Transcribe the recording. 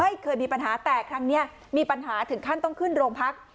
ไม่เคยมีปัญหาแต่ครั้งนี้มีปัญหาถึงขั้นต้องขึ้นโรงพัก